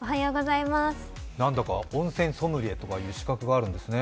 なんだか温泉ソムリエとかいう資格があるんですね。